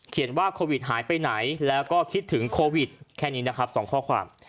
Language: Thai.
ว่าโควิดหายไปไหนแล้วก็คิดถึงโควิดแค่นี้นะครับ๒ข้อความ